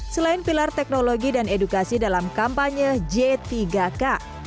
selain pilar teknologi dan edukasi dalam kampanye j tiga k